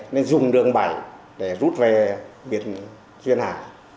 nên dùng đường bảy để rút về biển duyên hải